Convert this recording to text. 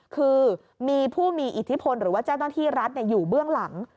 คือมีผู้มีอิทธิพลหรือว่าเจ้าหน้าที่รัฐอยู่เบื้องหลัง